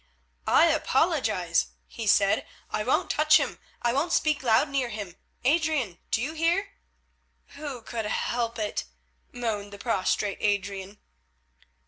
"I apologise," he said. "I won't touch him, I won't speak loud near him. Adrian, do you hear?" "Who could help it?" moaned the prostrate Adrian.